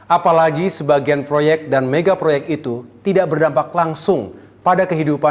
apalagi sebagian proyek dan mega proyek itu tidak berdampak langsung pada kehidupan